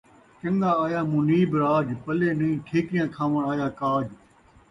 چن٘ڳا آیا منیب راج، پلے نئیں ٹھیکریاں کھاوݨ آیا کاج